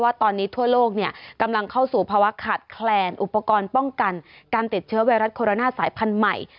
ตอนนี้ทั่วโลกกำลังเข้าสู่ภาวะขาดแคลนอุปกรณ์ป้องกันการติดเชื้อไวรัสโคโรนาสายพันธุ์ใหม่